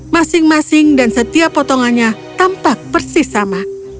masing masing dan setiap potongannya tampak persis sama